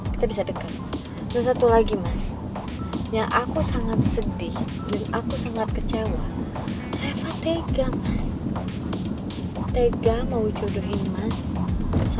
kita bisa dekat bersatu lagi mas yang aku sangat sedih dan aku sangat kecewa tega